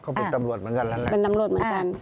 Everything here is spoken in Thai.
ก็เป็นตำรวจเหมือนกัน